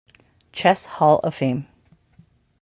Chess Hall of Fame.